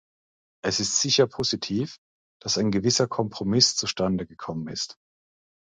Es ist sicher positiv, dass ein gewisser Kompromiss zustande gekommen ist.